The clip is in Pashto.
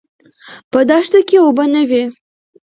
په دښته کې اوبه نه وې.